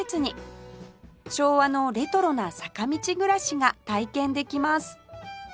昭和のレトロな坂道暮らしが体験できます